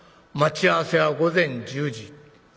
待ち合わせは午前１０時。